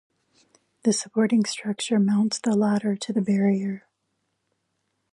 The supporting structure mounts the ladder to the barrier.